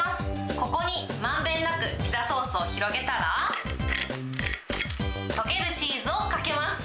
ここにまんべんなくピザソースを広げたら、溶けるチーズをかけます。